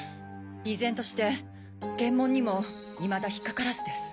依然として検問にもいまだ引っかからずです。